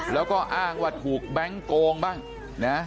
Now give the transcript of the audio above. แล้วก็อ้างว่าถูกแบงค์โกงบ้างนะ